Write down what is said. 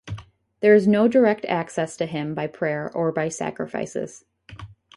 There is no direct access to him by prayer or by sacrifices.